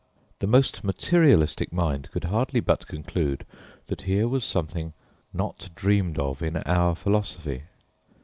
The most materialistic mind could hardly but conclude that here was something "not dreamed of in our philosophy."